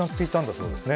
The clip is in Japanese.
そうですね。